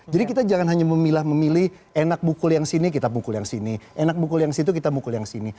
jadi kita jangan memilih enak bukul yang sini kita bukul yang sini enak bukul yang situ kita bukul yang sini